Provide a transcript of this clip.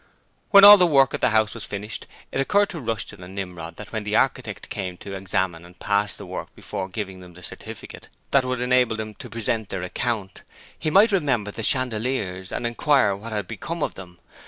When all the work at the house was finished, it occurred to Rushton and Nimrod that when the architect came to examine and pass the work before giving them the certificate that would enable them to present their account, he might remember the chandeliers and inquire what had become of them.